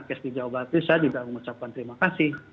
nakes di jawa barat bisa juga mengucapkan terima kasih